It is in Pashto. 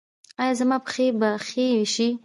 ایا زما پښې به ښې شي؟